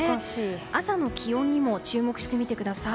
朝の気温にも注目してみてください。